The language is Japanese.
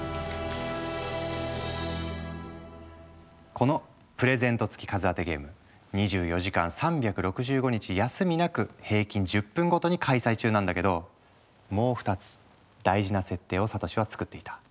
この「プレゼント付き数当てゲーム」２４時間３６５日休みなく平均１０分ごとに開催中なんだけどもう２つ大事な設定をサトシは作っていた。